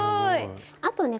あとね